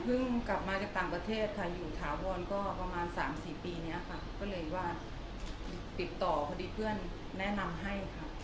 กลับมาจากต่างประเทศค่ะอยู่ถาวรก็ประมาณ๓๔ปีนี้ค่ะก็เลยว่าติดต่อพอดีเพื่อนแนะนำให้ค่ะ